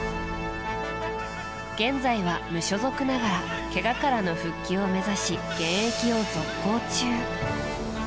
現在は無所属ながらけがからの復帰を目指し現役を続行中。